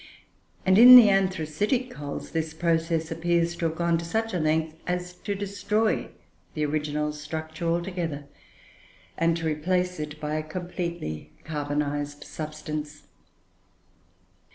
And, in the anthracitic coals, this process appears to have gone to such a length, as to destroy the original structure altogether, and to replace it by a completely carbonized substance.